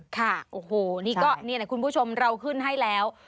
คุณผู้ชอบเราก็ขึ้นให้แล้ว